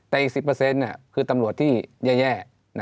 แต่อีก๑๐คือตำรวจที่แย่